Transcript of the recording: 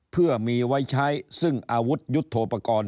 เพื่อมีไว้ใช้ซึ่งอาวุธยุทธโปรกรณ์